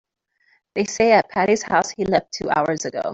They say at Patti's house he left two hours ago.